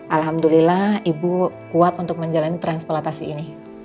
alhamdulillah ibu kuat untuk menjalani transplantasi ini